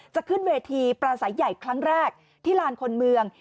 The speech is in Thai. จะขึ้นเวทีปราศัยใหญ่ครั้งแรกที่ลานคนเมือง